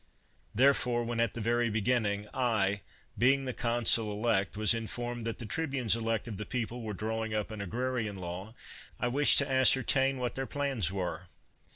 Therefore, when at the very beginning, I, being the consul elect, was informed that the tribunes elect of the people were drawing up an agrarian law, I wished to ascertain what their plans were.